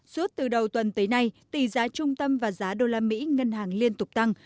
suốt từ đầu tuần tới nay tỷ giá trung tâm và giá đô la mỹ ngân hàng liên tục tăng